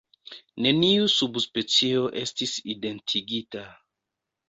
Neniu subspecio estis identigita.